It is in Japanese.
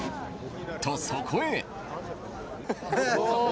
と、そこへ。